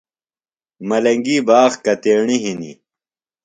ملنگی باغ کتیݨی ہِنی؟